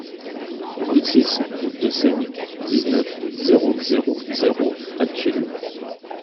vingt-six route de Seigne, dix-neuf, zéro zéro zéro à Tulle